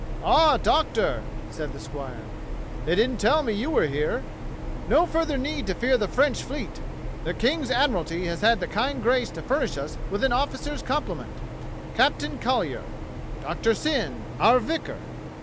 "Ah, Doctor," said the squire, "they didn't tell me you were here. No further need to fear the French fleet. The King's Admiralty has had the kind grace to furnish us with an officer's complement. Captain Colly er — Doctor Syn, our vicar."